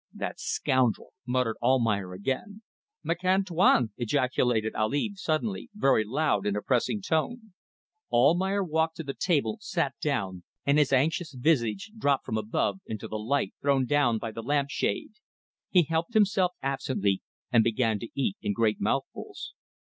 "That scoundrel," muttered Almayer again. "Makan Tuan!" ejaculated Ali suddenly, very loud in a pressing tone. Almayer walked to the table, sat down, and his anxious visage dropped from above into the light thrown down by the lamp shade. He helped himself absently, and began to eat in great mouthfuls.